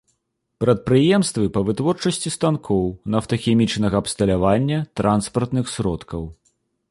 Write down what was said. Прадпрыемствы па вытворчасці станкоў, нафтахімічнага абсталявання, транспартных сродкаў.